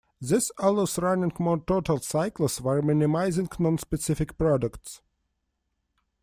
This allows running more total cycles while minimizing non-specific products.